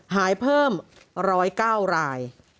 หายเพิ่ม๑๐๙ราย